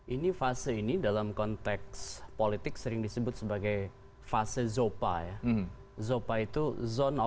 ini fase ini dalam konteks politik sering disebut sebagai fase zopa ya zopa itu